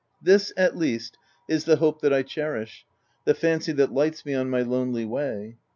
This, at least, is the hope that I cherish, the fancy that lights me on my lonely way.